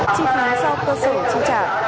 chi phá do cơ sở trinh trả